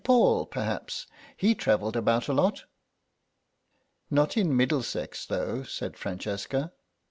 Paul, perhaps. He travelled about a lot." "Not in Middlesex, though," said Francesca.